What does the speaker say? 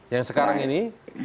yang sekarang ini